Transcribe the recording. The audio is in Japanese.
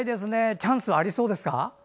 チャンスはありそうですか？